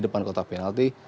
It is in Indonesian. di depan kota penalti